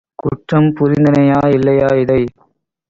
குற்றம் புரிந்தனையா இல்லையா இதை